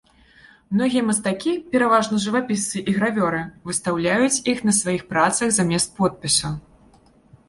Многія мастакі, пераважна жывапісцы і гравёры, выстаўляюць іх на сваіх працах замест подпісу.